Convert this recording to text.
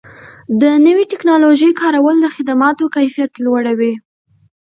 د نوې ټکنالوژۍ کارول د خدماتو کیفیت لوړوي.